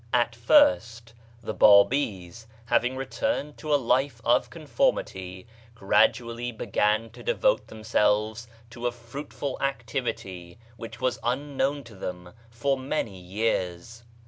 At first the Babis, having returned to a life of conformity, gradually began to devote themselves to a fruitful activity which was unknown to them for many years.